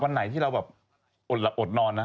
วันไหนที่เราแบบอดนอนนะ